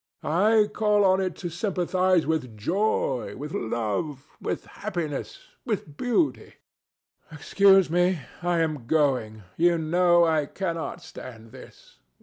I call on it to sympathize with joy, with love, with happiness, with beauty. DON JUAN. [nauseated] Excuse me: I am going. You know I cannot stand this.